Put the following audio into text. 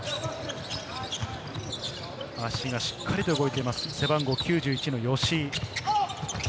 足がしっかりと動いています、背番号９１の吉井。